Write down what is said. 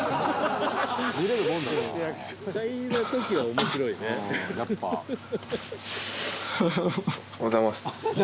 おはようございます。